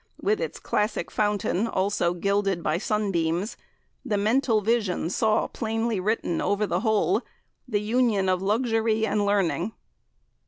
with its classic fountain also gilded by sunbeams, the mental vision saw plainly written over the whole "The Union of Luxury and Learning."